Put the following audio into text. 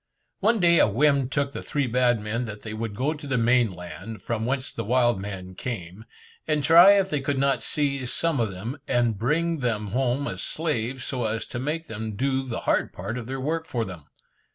One day a whim took the three bad men that they would go to the main land, from whence the wild men came, and try if they could not seize some of them, and bring them home as slaves, so as to make them do the hard part of their work for them.